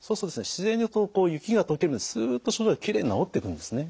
自然にこう雪が解けるようにすっと症状がきれいに治っていくんですね。